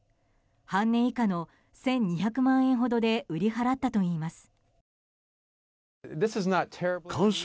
半値以下の１２００万円ほどで売り払ったといいます。